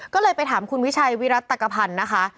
ก็เลยไปถามคุณวิชัยวิรัตกภัณฑ์นะคะ